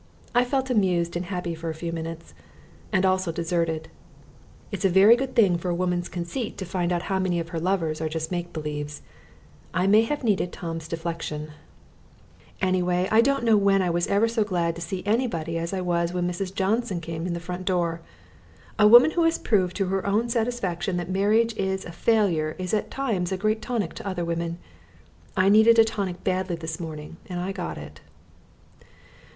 I felt amused and happy for a few minutes and also deserted. It's a very good thing for a woman's conceit to find out how many of her lovers are just make believes. I may have needed Tom's deflection. Anyway, I don't know when I ever was so glad to see anybody as I was when Mrs. Johnson came in the front door. A woman who has proved to her own satisfaction that marriage is a failure is at times a great tonic to other women. I needed a tonic badly this morning and I got it.